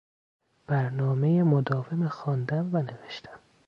برنامهی مداوم خواندن و نوشتن